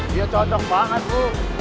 dia cocok banget bu